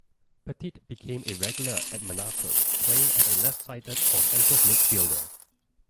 Petit became a regular at Monaco, playing as a left-sided or central midfielder.